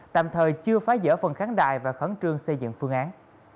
tạm thời chưa phá giỡn phần kháng đài và khẳng trương xây dựng phương án